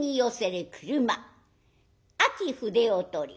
秋筆を執り